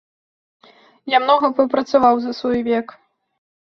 Я многа папрацаваў за свой век.